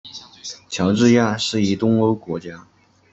乔治亚是一东欧国家。